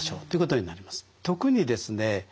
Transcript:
特にですね